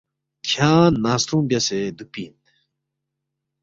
کھیانگ ننگ سترُونگ بیاسے دُوکپی اِن